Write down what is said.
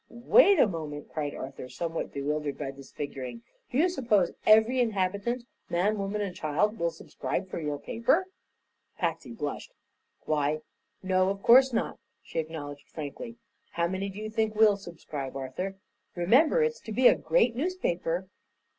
"Wait a moment!" cried Arthur, somewhat bewildered by this figuring. "Do you suppose every inhabitant man, woman and child will subscribe for your paper?" Patsy blushed. "Why, no, of course not," she acknowledged frankly. "How many do you think will subscribe, Arthur? Remember, it's to be a great newspaper."